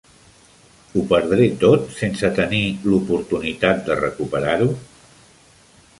Ho perdré tot sense tenir l'oportunitat de recuperar-ho?